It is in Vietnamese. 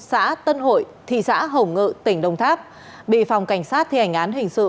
xã tân hội thị xã hồng ngự tỉnh đông tháp bị phòng cảnh sát thi hành án hình sự